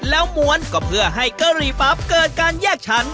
แล้วม้วนก็เพื่อให้กะหรี่ปั๊บเกิดการแยกชั้น